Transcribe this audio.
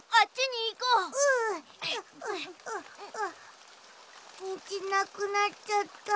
にじなくなっちゃった。